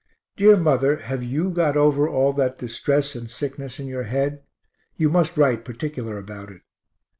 Dear mother, have you got over all that distress and sickness in your head? You must write particular about it.